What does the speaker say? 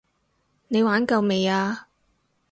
你玩夠未啊？